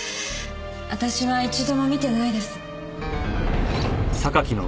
私は一度も見てないです。